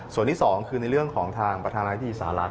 ส่วนนี้สองคือในเรื่องของทางประธานาฬิราชินาศาสตร์